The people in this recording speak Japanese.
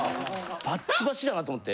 バッチバチだなと思って。